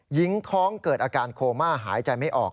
หญิงท้องเกิดอาการโคม่าหายใจไม่ออก